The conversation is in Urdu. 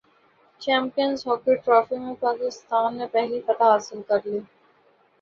چیمپئنز ہاکی ٹرافی میں پاکستان نے پہلی فتح حاصل کرلی